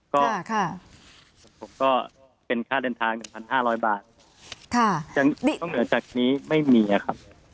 ก็เป็นค่าเดินทาง๑๕๐๐บาทจากนี้ไม่มีครับ